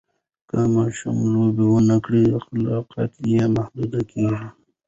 که ماشوم لوبه ونه کړي، خلاقیت یې محدود کېږي.